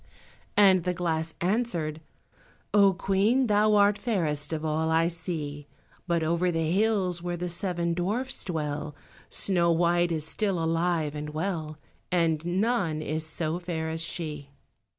and the glass answered— "Oh, Queen, thou art fairest of all I see, But over the hills, where the seven dwarfs dwell, Snow white is still alive and well, And none is so fair as she."